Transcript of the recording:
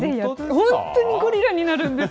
本当にゴリラになるんです。